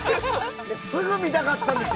すぐ見たかったんです。